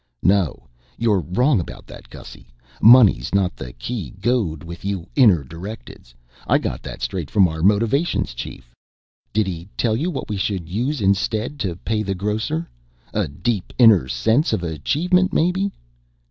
"No, you're wrong about that, Gussy. Money's not the key goad with you inner directeds. I got that straight from our Motivations chief." "Did he tell you what we should use instead to pay the grocer? A deep inner sense of achievement, maybe?